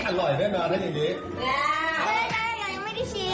ใช่อย่างงี้ไม่ได้ชิ้น